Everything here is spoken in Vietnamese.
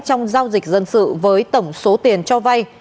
trong giao dịch dân sự với tổng số tiền cho vay